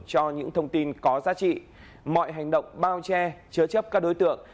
cho những thông tin có giá trị mọi hành động bao che chứa chấp các đối tượng